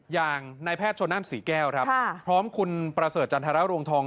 อย่างนายแพทย์ชนนั่นศรีแก้วครับพร้อมคุณประเสริฐจันทรรวงทอง